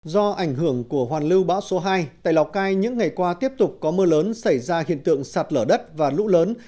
do ảnh hưởng của hoàn lưu bão số hai tại lào cai những ngày qua tiếp tục có mưa lớn xảy ra hiện tượng sạt lở đất và lũ lớn